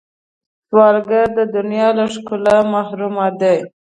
سوالګر د دنیا له ښکلا محروم دی